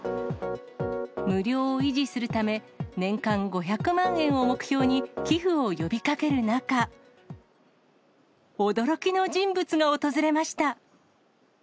無料を維持するため、年間５００万円を目標に寄付を呼びかける中、驚きの人物が訪れました。